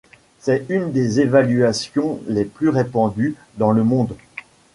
C'est une des évaluations les plus répandues dans le monde.